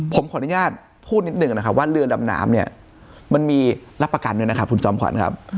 ผมขออนุญาตพูดนิดหนึ่งนะครับว่าเรือดำน้ำเนี่ยมันมีรับประกันด้วยนะครับคุณจอมขวัญครับ